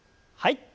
はい。